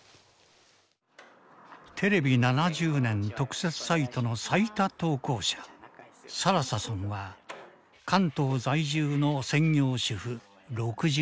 テレビ７０年特設サイトの最多投稿者更紗さんは関東在住の専業主婦６５歳。